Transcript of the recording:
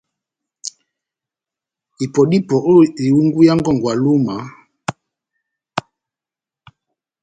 Ipɔ dá ipɔ ó ehungu yá ngɔngɔ ya Lúma,